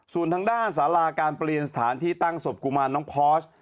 ส่วนทางด้านสาราการเปลี่ยนสถานที่ตั้งศพกุมารน้องพอส